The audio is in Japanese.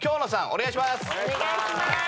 ・お願いします